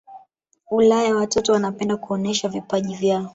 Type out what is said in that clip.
ulaya watoto wanapenda kuonesha vipaji vyao